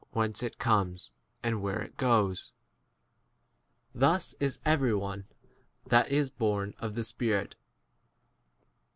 whence it comes and where it goes : thus is every one [that is] 9 born of the Spirit.